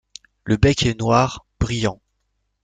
Le bec est noir brillant.